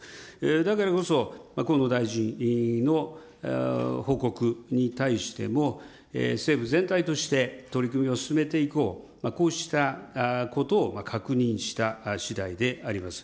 だからこそ、河野大臣の報告に対しても、政府全体として取り組みを進めていこう、こうしたことを確認したしだいであります。